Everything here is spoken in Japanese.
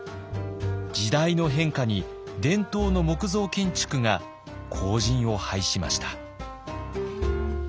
時代の変化に伝統の木造建築が後じんを拝しました。